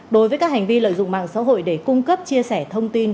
đối với các hành vi lợi dụng mạng xã hội để cung cấp chia sẻ thông tin